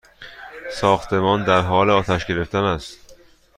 ساختمان در حال آتش گرفتن است!